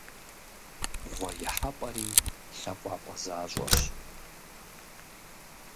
Гъуэ ихьэпӀэри лъакъуапӀэ защӀэщ.